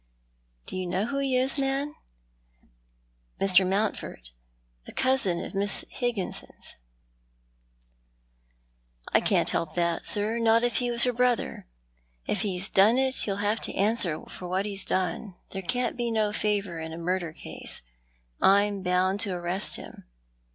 "'" Do you know who he is, man ? Mr. Mountford, a cousin of Miss Higginson's !" 1 1 6 Thou art the 3Ian. " I can't help that, sir, not if he was her brother. If he's done it he'll have to answer for what he's done. There can't be no favour in a mnrder case. I'm bound to arrest him."